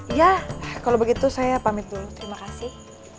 iya kalau begitu saya pamit dulu terima kasih